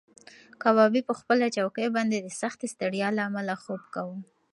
کبابي په خپله چوکۍ باندې د سختې ستړیا له امله خوب کاوه.